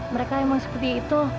mereka emang seperti itu